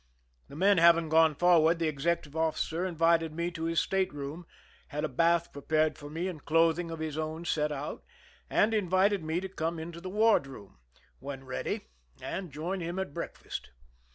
The men having gone forward, the executive officer invited me to his state room, had a bath prepared for me and clothing of his own set out, and invited me to come into the ward room, when ready, and join him at breakfast.